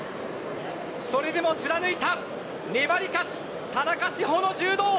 それでも貫いた粘り勝つ田中志歩の柔道。